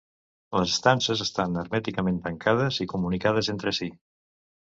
Les estances estan hermèticament tancades i comunicades entre si.